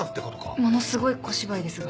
ものすごい小芝居ですが。